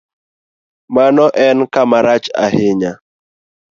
Mano en kama rach ahinya